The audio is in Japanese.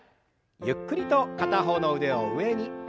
ゆっくりと片方の腕を上に。